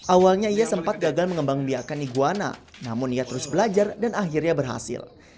awalnya ia sempat gagal mengembang biakan iguana namun ia terus belajar dan akhirnya berhasil